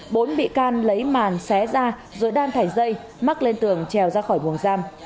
bốn bị can lấy màn xé ra rồi đan thải dây mắc lên tường trèo ra khỏi buồng giam